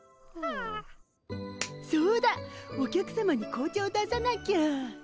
そうだお客さまに紅茶を出さなきゃ。